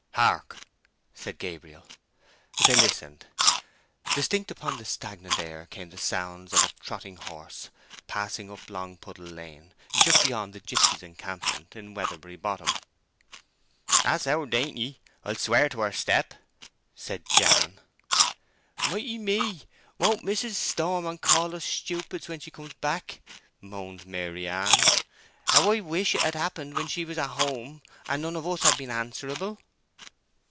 "Hark!" said Gabriel. They listened. Distinct upon the stagnant air came the sounds of a trotting horse passing up Longpuddle Lane—just beyond the gipsies' encampment in Weatherbury Bottom. "That's our Dainty—I'll swear to her step," said Jan. "Mighty me! Won't mis'ess storm and call us stupids when she comes back!" moaned Maryann. "How I wish it had happened when she was at home, and none of us had been answerable!"